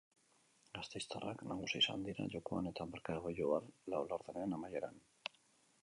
Gasteiztarrak nagusi izan dira jokoan eta markagailuan lau laurdenean amaieran.